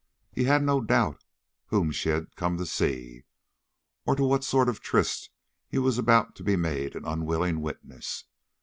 He had no doubt whom she had come to see, or to what sort of a tryst he was about to be made an unwilling witness.